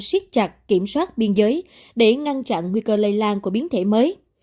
siết chặt kiểm soát biên giới để ngăn chặn nguy cơ lây lan của biến thể mới